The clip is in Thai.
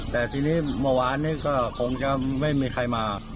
แต่ทีนี้เมื่อวานนี้ก็คงจะไม่มีใครมา